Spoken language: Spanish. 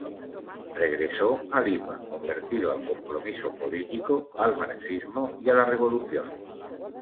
Regresó a Lima, convertido al compromiso político, al marxismo y a la revolución.